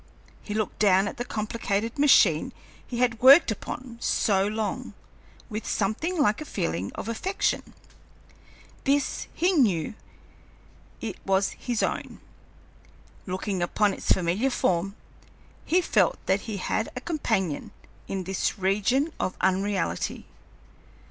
He looked down at the complicated machine he had worked upon so long, with something like a feeling of affection. This he knew, it was his own. Looking upon its familiar form, he felt that he had a companion in this region of unreality.